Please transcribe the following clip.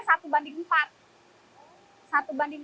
bisa saja perbandingannya satu banding empat